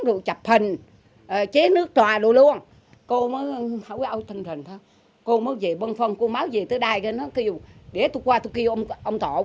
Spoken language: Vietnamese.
rồi chập hình chế nước trò đồ luôn cô mới về bân phân cô mới về tới đây để tôi qua tôi kêu ông tổ